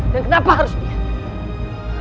dan kenapa harus dia